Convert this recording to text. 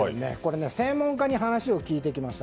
専門家に話を聞いてきました。